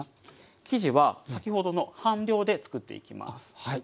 生地は先ほどの半量でつくっていきます。